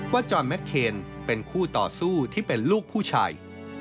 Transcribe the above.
จอนแมคเคนเป็นคู่ต่อสู้ที่เป็นลูกผู้ชาย